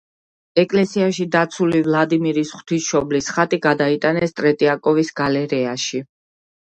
ეკლესიაში დაცული ვლადიმირის ღვთისმშობლის ხატი გადაიტანეს ტრეტიაკოვის გალერეაში.